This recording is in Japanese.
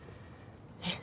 えっ？